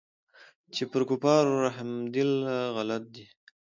چې پر كفارو رحمېدل غلط دي.